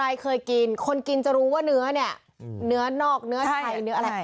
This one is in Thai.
ใครเคยกินคนกินจะรู้ว่าเนื้อเนี่ยเนื้อนอกเนื้อไทยเนื้ออะไร